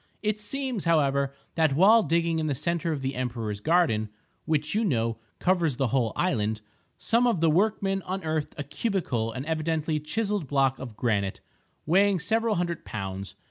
It seems, however, that while digging in the centre of the emperors garden, (which, you know, covers the whole island), some of the workmen unearthed a cubical and evidently chiseled block of granite, weighing several hundred pounds.